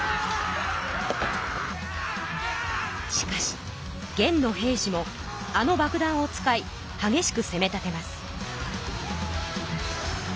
しかし元の兵士もあの爆弾を使いはげしくせめたてます。